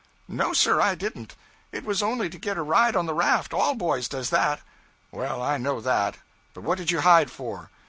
'No, sir, I didn't. It was only to get a ride on the raft. All boys does that.' 'Well, I know that. But what did you hide for?'